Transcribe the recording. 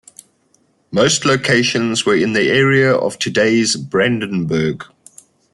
Most locations were in the area of today's Brandenburg.